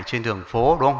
trên đường phố đúng không